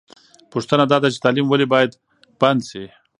پوښتنه دا ده چې تعلیم ولې باید بند سي؟